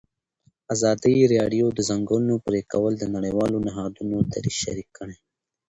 ازادي راډیو د د ځنګلونو پرېکول د نړیوالو نهادونو دریځ شریک کړی.